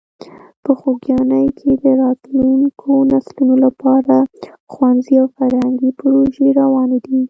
په خوږیاڼي کې د راتلونکو نسلونو لپاره ښوونیزې او فرهنګي پروژې روانې دي.